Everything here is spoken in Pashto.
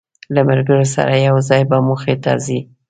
له ملګرو سره یو ځای به موخې ته ځی.